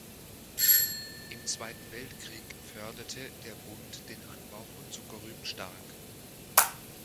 Im Zweiten Weltkrieg förderte der Bund den Anbau von Zuckerrüben stark.